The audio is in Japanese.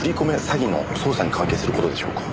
詐欺の捜査に関係する事でしょうか？